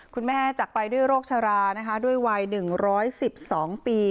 คุณแม่จักไปด้วยโรคชรานะคะด้วยวัยหนึ่งร้อยสิบสองปี